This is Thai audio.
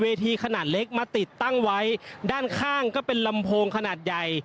ทีขนาดเล็กมาติดตั้งไว้ด้านข้างก็เป็นลำโพงขนาดใหญ่